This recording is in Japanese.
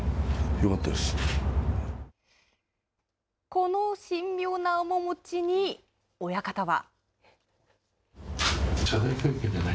この神妙な面持ちに親方は。